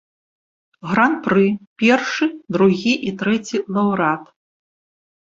Гран-пры, першы, другі і трэці лаўрэат.